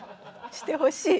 してほしい。